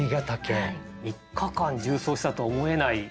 ３日間縦走したとは思えない。